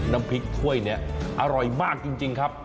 น้ำพริกถ้วยนี้อร่อยมากจริงครับ